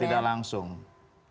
tidak langsung ya pak herman ya